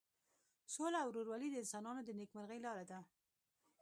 سوله او ورورولي د انسانانو د نیکمرغۍ لاره ده.